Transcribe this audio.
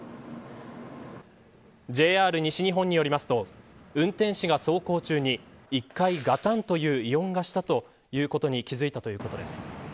ＪＲ西日本によりますと運転士が走行中に１回ガタンという異音がしたということに気づいたということです。